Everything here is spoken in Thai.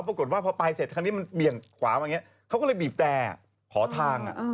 ปรากฏว่าพอไปเสร็จคันนี้มันเบี่ยงขวามาอย่างนี้เขาก็เลยบีบแต่ขอทาง